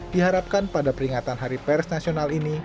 diharapkan pada peringatan hari pers nasional ini